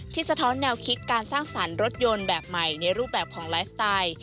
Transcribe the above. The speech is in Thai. สะท้อนแนวคิดการสร้างสรรค์รถยนต์แบบใหม่ในรูปแบบของไลฟ์สไตล์